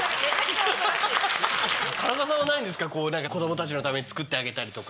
何か子供たちのために作ってあげたりとか。